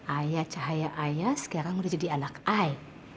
ayah cahaya ayah sekarang udah jadi anak ai